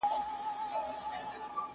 هغه څوک چي تکړښت کوي روغ اوسي!.